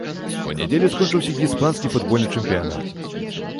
У нядзелю скончыўся іспанскі футбольны чэмпіянат.